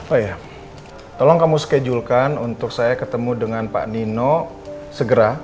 oh ya tolong kamu schedulekan untuk saya ketemu dengan pak nino segera